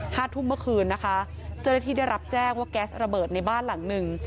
ห้าทุ่มเมื่อคืนนะคะเจ้าหน้าที่ได้รับแจ้งว่าแก๊สระเบิดในบ้านหลังหนึ่ง